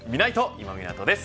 今湊です。